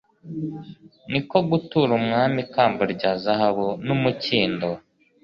ni ko gutura umwami ikamba rya zahabu n'umukindo